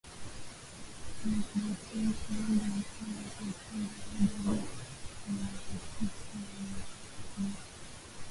Waprotestanti Wengi wanasema ya kwamba idadi za Wakristo na za